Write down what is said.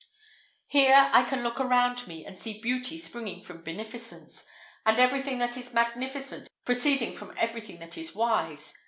Here I can look around me, and see beauty springing from Beneficence, and everything that is magnificent proceeding from everything that is wise.